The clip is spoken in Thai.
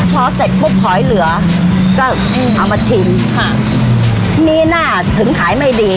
พอเสร็จปุ๊บหอยเหลือก็เอามาชิมค่ะที่นี่น่าถึงขายไม่ดี